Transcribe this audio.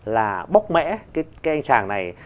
là bóc mẽ cái anh chàng này